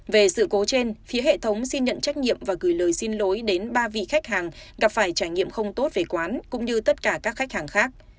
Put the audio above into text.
về sự cố trên phía hệ thống xin nhận trách nhiệm và gửi lời xin lỗi đến ba vị khách hàng gặp phải trải nghiệm không tốt về quán cũng như tất cả các khách hàng khác